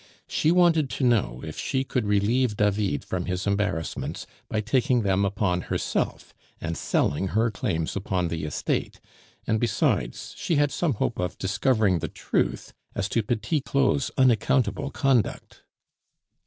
She wanted to know if she could relieve David from his embarrassments by taking them upon herself and selling her claims upon the estate, and besides, she had some hope of discovering the truth as to Petit Claud's unaccountable conduct.